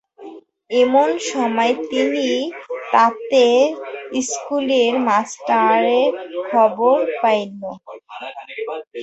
এমন সময়ে তিনি তাঁতের ইস্কুলের মাস্টারের খবর পাইলেন।